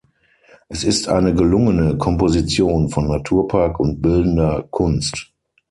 Es ist eine gelungene Komposition von Naturpark und bildender Kunst.